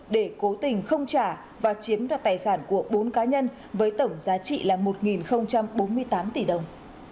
để cố tình không trả và chiếm đoạt tài sản của bốn cá nhân với tổng giá trị là một bốn mươi tám tỷ đồng